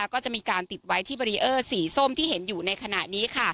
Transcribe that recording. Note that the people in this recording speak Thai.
ก็จะมีการติดไว้ที่เบรีเออร์สีส้มที่เห็นอยู่ในขณะนี้